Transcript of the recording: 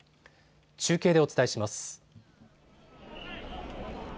中継でお伝えします。